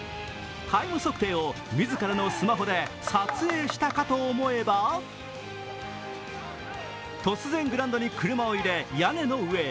タイム測定を自らのスマホで撮影したかと思えば突然、グラウンドに車を入れ、屋根の上へ。